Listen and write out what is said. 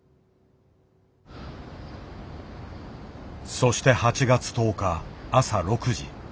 そして８月１０日朝６時。